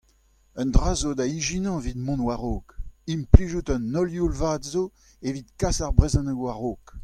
Un dra a zo da ijinañ evit mont war-raok : implijout an holl youl vat zo evit kas ar brezhoneg war-raok.